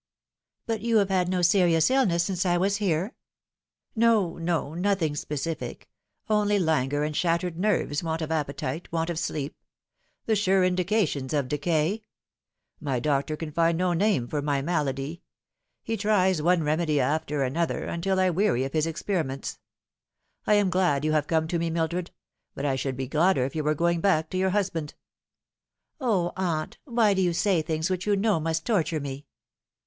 " But you have had no serious illness since I was here ?"" No, no, nothing specific ; only languor and shattered nerves, want of appetite, want of sleep : the sure indications of decay. My doctor can find no name for my malady. He tries one remedy after another, until I weary of his experi ments. I am glad you have come to me, Mildred ; but I should be gladder if you were going back to your husband." " O, aunt, why do you say things which you know must torture me